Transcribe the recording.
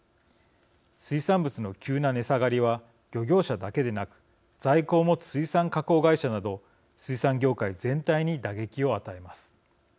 水産物の急な値下がりは漁業者だけでなく在庫を持つ水産加工会社など水産業界全体に打撃を与えます。